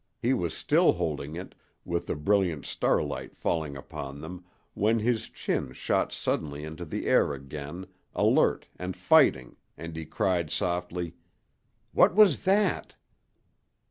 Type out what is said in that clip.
He was still holding it, with the brilliant starlight falling upon them, when his chin shot suddenly into the air again, alert and fighting, and he cried, softly: "What was that?"